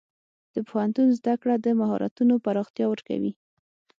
د پوهنتون زده کړه د مهارتونو پراختیا ورکوي.